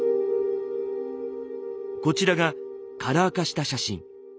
こちらがカラー化した写真。